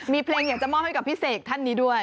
มีเพลงอยากจะมอบให้กับพี่เสกท่านนี้ด้วย